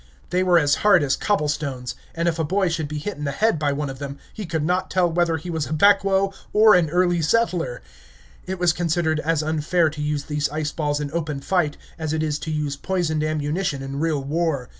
They were as hard as cobble stones, and if a boy should be hit in the head by one of them, he could not tell whether he was a Pequot or an Early Settler. It was considered as unfair to use these ice balls in open fight, as it is to use poisoned ammunition in real war.